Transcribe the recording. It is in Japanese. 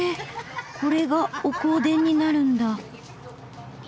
これがお香典になるんだ。